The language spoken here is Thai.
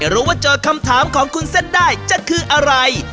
อย่ารู้ว่าเห็นคำถามของคุณเซ่นได้จะคืออะไร